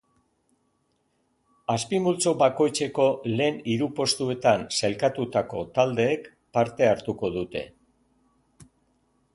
Azpimultzo bakoitzeko lehen hiru postuetan sailkatutako taldeek parte hartuko dute.